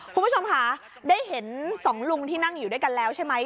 คุณผู้ชมค่ะได้เห็นสองลุงที่นั่งอยู่ด้วยกันแล้วใช่ไหม